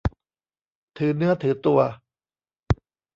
ถือเนื้อถือตัว